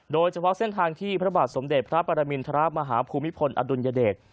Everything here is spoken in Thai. โดยเฉพาะเส้นทางที่พระบาทสมเด็จพระปรมินทรมาฮภูมิพลอดุลยเดช